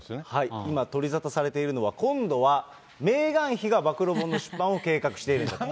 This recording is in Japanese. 今、取り沙汰されているのは、今度はメーガン妃が暴露本の出版を計画してるんだと。